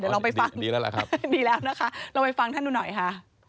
เดี๋ยวเราไปฟังดีแล้วนะคะเราไปฟังท่านดูหน่อยค่ะ